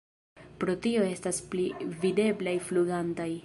Pro tio estas pli videblaj flugantaj.